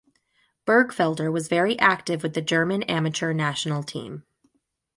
Bergfelder was very active with the German amateur national team.